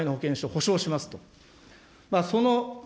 紙の保険証、保証しますと。